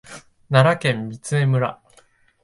奈良県御杖村